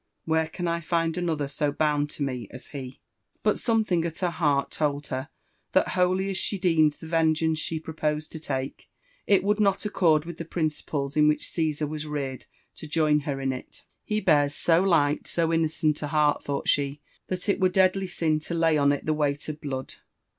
Where can I find another so bound to me as he ? 1 U6 LIFE AND ADVENTURES OV Bat somethiog at her heart told her, that holy as ahe deemed the TengeaDoe she proposed to take, it woald not accord with the principleB in which Cesar was reared, to join her in it. '* He bears so light, so innocent a heart," thought she, <<that it were deadly sin to lay on it the weight of blood.